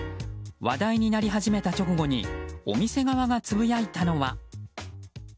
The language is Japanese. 話題になり始めた直後にお店側がつぶやいたのは。